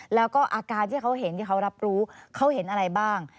แล้วก็อาการที่เขาเห็นที่เขารับรู้เขาเห็นอะไรบ้าง